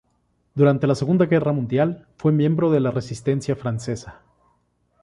Durante la Segunda Guerra Mundial fue miembro de la Resistencia Francesa.